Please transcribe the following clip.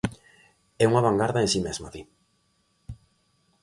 É unha vangarda en si mesma, di.